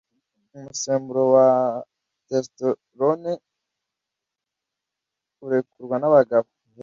Umusemburo wa testosterone urekurwa n'abagabo